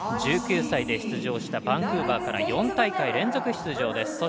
１９歳で出場したバンクーバーから４大会連続出場です。